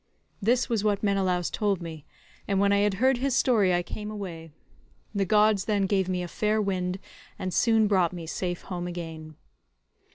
This was what Menelaus told me, and when I had heard his story I came away; the gods then gave me a fair wind and soon brought me safe home again."